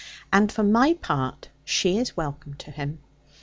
And for my part, she is welcome to him.